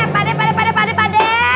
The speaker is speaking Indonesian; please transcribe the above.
padek padek padek padek padek